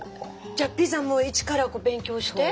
じゃピザも一から勉強して？